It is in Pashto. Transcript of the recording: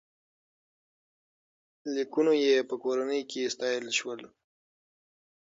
لیکونو یې په کورنۍ کې ستایل شول.